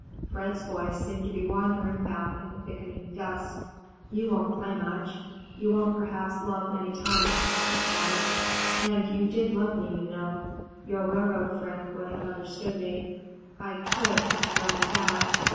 Fred's voice seemed to be wandering about in the thickening dusk. "You won't play much. You won't, perhaps, love many times." He paused. "And you did love me, you know. Your railroad friend would have understood me. I could have thrown you back.